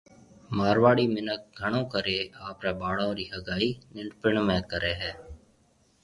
مارواڙي مِنک گھڻو ڪرَي آپرَي ٻاݪون رِي ھگائي ننڊپڻ ۾ ڪرَي ھيَََ